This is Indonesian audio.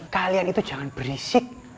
kalian itu jangan berisik